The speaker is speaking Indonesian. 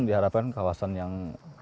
diharapkan kawasan yang